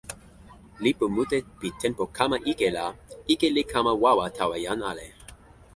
lipu mute pi tenpo kama ike la, ike li kama wawa tawa jan ale.